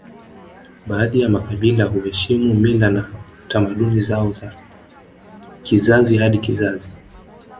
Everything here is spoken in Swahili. Baadhi ya makabila huheshimu mila na tamaduni zao za kizazi hadi kizazi